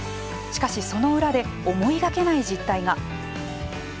しかしその裏で思いがけない実態が。